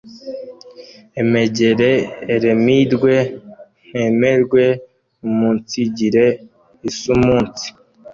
emegere eremirwe ntemerwe), umunsigire isuumunsi